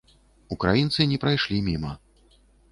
Украінцы не прайшлі міма.